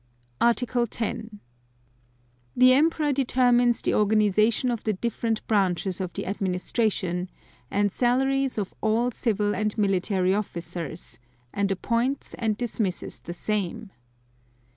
Article 10. The Emperor determines the organization of the different branches of the administration, and salaries of all civil and military officers, and appoints and dismisses the same.